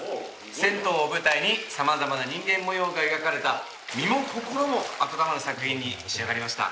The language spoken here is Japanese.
銭湯を舞台に様々な人間模様が描かれた身も心も温まる作品に仕上がりました。